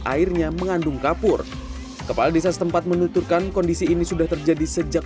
airnya mengandung kapur kepala desa setempat menuturkan kondisi ini sudah terjadi sejak